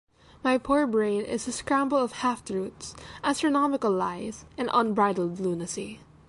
My poor brain is a scramble of half-truths, astronomical lies and unbridled lunacy.